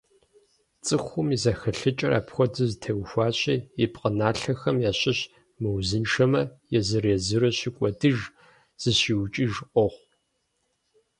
ЦӀыхум и зэхэлъыкӀэр апхуэдэу зэтеухуащи, и пкъыналъэхэм ящыщ мыузыншэмэ, езыр-езыру щыкӀуэдыж, «зыщиукӀыж» къохъу.